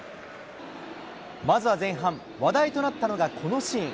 まずは前半、話題となったのがこのシーン。